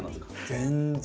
全然。